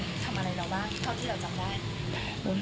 ที่เราจับได้